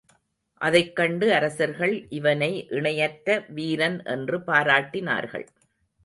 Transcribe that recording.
அதைக்கண்டு அரசர்கள் இவனை இணையற்ற வீரன் என்று பாராட்டினார்கள்.